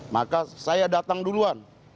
maka saya datang duluan